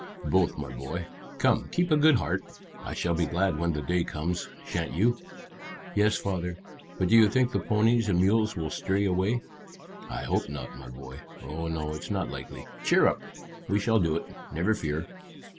"Both, my boy. Come, keep a good heart. I shall be glad when the day comes shan't you?" "Yes, father. But do you think the ponies and mules will stray away?" "I hope not, my boy. Oh no, it's not likely. Cheer up; we shall do it, never fear."